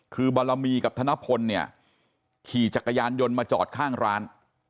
คือบารมีกับธนพลเนี่ยขี่จักรยานยนต์มาจอดข้างร้าน